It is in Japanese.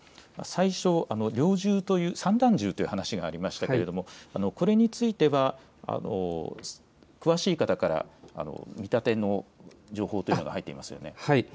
最初、猟銃と散弾銃という話がありましたがこれについては詳しい方から見立ての情報というのが入っていますよね。